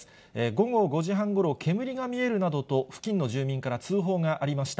午後５時半ごろ、煙が見えるなどと、付近の住民から通報がありました。